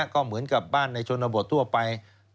ก็เหมือนกับบ้านในชนบททั่วไป